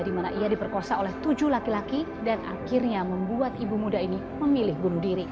di mana ia diperkosa oleh tujuh laki laki dan akhirnya membuat ibu muda ini memilih bunuh diri